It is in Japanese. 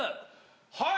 はい？